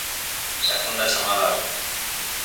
Segunda chamada á orde.